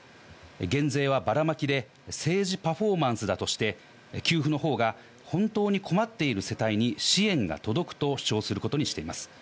減税はバラマキで政治パフォーマンスだとして、給付の方が本当に困っている世帯に支援が届くと主張することにしています。